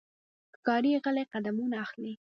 ښکاري غلی قدمونه اخلي.